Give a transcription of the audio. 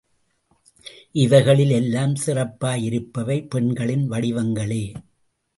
இவைகளில் எல்லாம் சிறப்பாயிருப்பவை பெண்களின் வடிவங்களே.